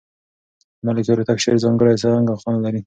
د ملکیار هوتک شعر ځانګړی رنګ او خوند لري.